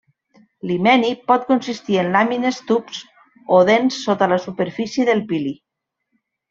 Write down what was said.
L'himeni pot consistir en làmines tubs o dents sota la superfície del pili.